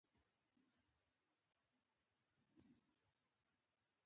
چاى به کومه بله ورځ درسره وڅکم.